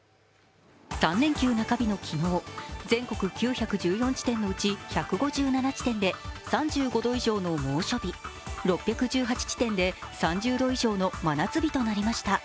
３連休中日の昨日、全国９１４地点のうち１５７地点で３５度以上の猛暑日６１８地点で３０度以上の真夏日となりました。